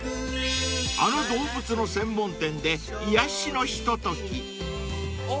［あの動物の専門店で癒やしのひととき］